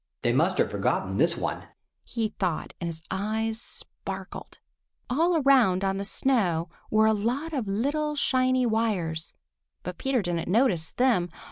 "They must have forgotten this one!" he thought, and his eyes sparkled. All around on the snow were a lot of little, shiny wires, but Peter didn't notice them.